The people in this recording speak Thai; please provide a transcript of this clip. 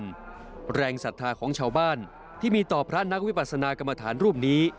แรงศรัทธาของชาวบ้านที่มีต่อพระนักวิปัสนากรรมฐานรูปนี้